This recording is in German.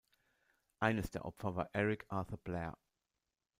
Eines der Opfer war Eric Arthur Blair.